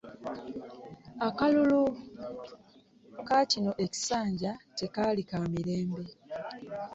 Akalulu kaakino ekisanja tekaali ka mirembe.